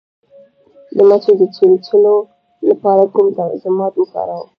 د مچۍ د چیچلو لپاره کوم ضماد وکاروم؟